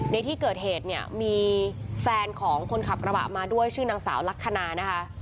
ในที่เกิดเหตุเนี่ยมีแฟนของคนขับกระบะมาด้วยชื่อนางสาวลักษณะนะคะ